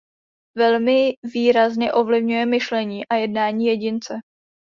Velmi výrazně ovlivňuje myšlení a jednání jedince.